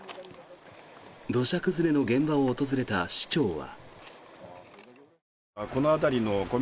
土砂崩れの現場を訪れた市長は。